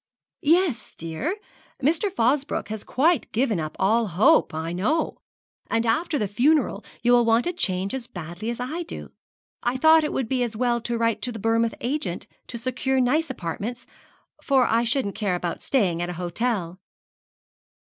'Yes, dear. Mr. Fosbroke has quite given up all hope, I know; and after the funeral you will want a change as badly as I do. I thought it would be as well to write to the Bournemouth agent to secure nice apartments, for I shouldn't care about staying at an hotel.'